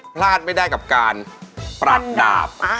พลาดไม่ได้กับการปรับดาบ